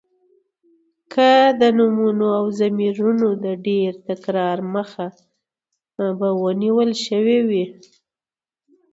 که نو د نومونو او ضميرونو د ډېر تکرار مخه به نيول شوې وې.